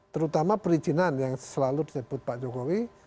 terutama perizinan yang selalu disebut pak jokowi